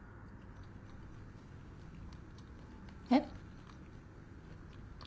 えっ？